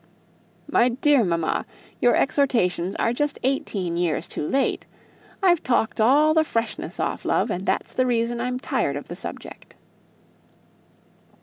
"My dear mamma, your exhortations are just eighteen years too late. I've talked all the freshness off love, and that's the reason I'm tired of the subject."